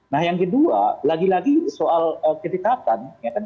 nah yang kedua lagi lagi soal kedekatan